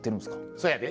そうやで。